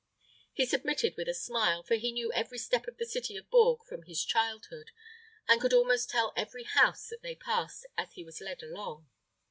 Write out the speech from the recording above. He submitted with a smile; for he knew every step of the city of Bourges from his childhood, and could almost tell every house that they passed as he was led along.